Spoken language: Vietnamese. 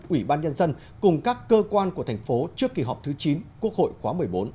ủy ban nhân dân cùng các cơ quan của thành phố trước kỳ họp thứ chín quốc hội khóa một mươi bốn